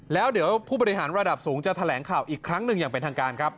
แล้วเดี๋ยวผู้บริหารระดับสูงจะแถลงข่าวอีกครั้งหนึ่งอย่างเป็นทางการครับ